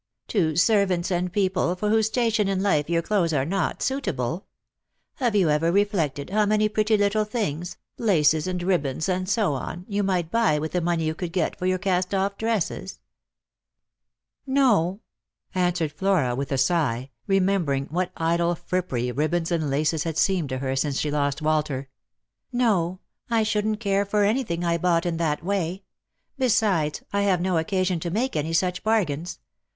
" To servants and people for whose station in life your clothes are not suitable. Have you ever reflected how many pretty little things — laces and ribbons and so on — you might buy with the money you could get for your cast off dresses P "" No," answered Flora with a sigh, remembering what idle frippery ribbons and laces had seemed to her since she lost Walter; "no, I shouldn't care for anything I bought in that way. Besides, I have no occasion to make any such bargains.